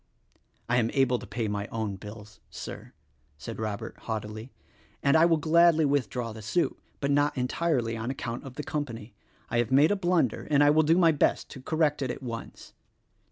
"I am able to pay my own bills, Sir," said Robert haughtily, "and I will gladly withdraw the suit; but not entirely on account of the company. I have made a blun der, and I will do my best to correct it at once."